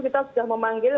kita sudah memanggil